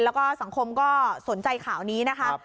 แล้วก็สังคมก็สนใจข่าวนี้นะคะ